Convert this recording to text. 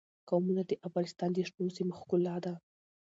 قومونه د افغانستان د شنو سیمو ښکلا ده.